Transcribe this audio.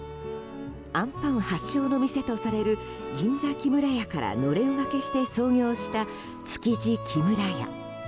あんぱん発祥の店とされる銀座木村屋からのれん分けして創業した築地木村屋。